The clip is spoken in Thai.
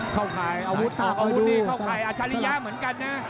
ข่ายอาวุธออกอาวุธนี่เข้าข่ายอาชริยะเหมือนกันนะ